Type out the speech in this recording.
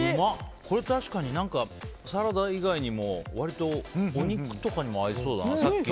これは、確かにサラダ以外にも割とお肉とかにも合いそう。